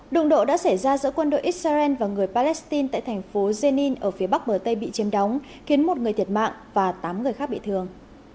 đụng độ đã xảy ra giữa quân đội israel và người palestine tại thành phố jenni ở phía bắc bờ tây bị chiêm đóng khiến một người thiệt mạng và tám người khác bị thương